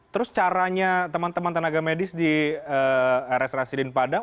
terus caranya teman teman tenaga medis di rs rasidin padang